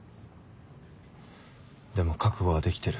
でも覚悟はできてる。